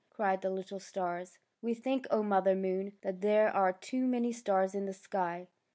" cried the little stars. '' We think, O Mother Moon, that there are too many stars in the sky."